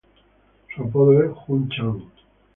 Su apodo es "Jun-chan".